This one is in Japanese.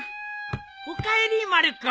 おかえりまる子。